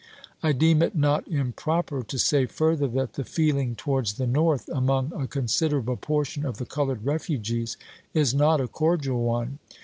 I deem it not improper to say fur ther that the feeling towards the North among a considerable portion of the colored refugees is not a cordial one.